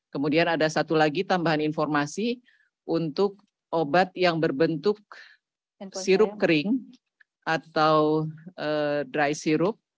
kemudian ada satu lagi tambahan informasi untuk obat yang berbentuk sirup kering atau dry syrup